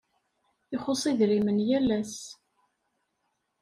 Ixuṣ idrimen yal ass.